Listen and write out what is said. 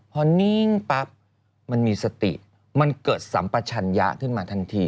พอนิ่งปั๊บมันมีสติมันเกิดสัมปชัญญะขึ้นมาทันที